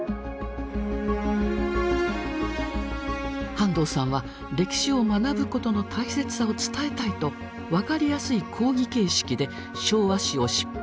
半藤さんは歴史を学ぶことの大切さを伝えたいと分かりやすい講義形式で「昭和史」を執筆。